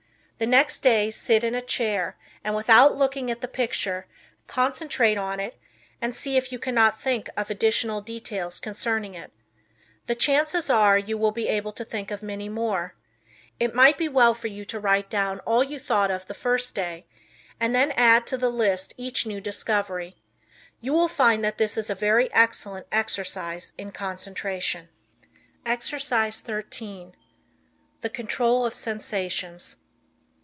The next day sit in a chair and, without looking at the picture, concentrate on it and see if you cannot think of additional details concerning it. The chances are you will be able to think of many more. It might be well for you to write down all you thought of the first day, and then add to the list each new discovery. You will find that this is a very excellent exercise in concentration. Exercise 13 The Control of Sensations.